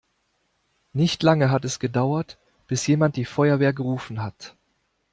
Nicht lange hat es gedauert, bis jemand die Feuerwehr gerufen hat.